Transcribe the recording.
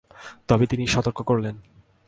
তবে তিনি সতর্ক করলেন।